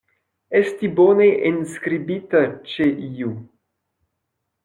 Esti bone enskribita ĉe iu.